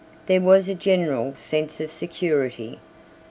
There was a general sense of security.